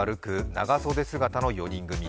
長袖姿の４人組。